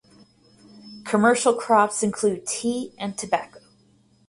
Commercial crops include tea and tobacco.